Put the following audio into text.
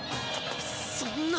そんな。